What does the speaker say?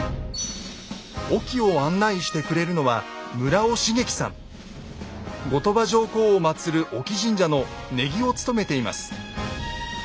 隠岐を案内してくれるのは後鳥羽上皇をまつる隠岐神社の禰宜を務めています。